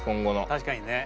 確かにね。